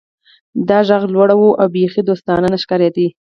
دا غږ لوړ و او بیخي دوستانه نه ښکاریده